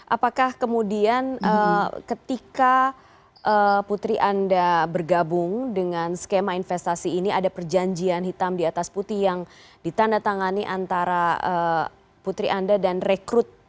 apakah kemudian ketika putri anda bergabung dengan skema investasi ini ada perjanjian hitam di atas putih yang ditandatangani antara putri anda dan rekrut